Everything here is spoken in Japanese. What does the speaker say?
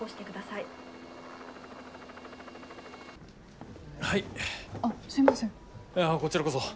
いやこちらこそ。